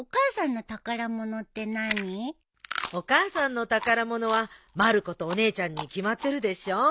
お母さんの宝物はまる子とお姉ちゃんに決まってるでしょ。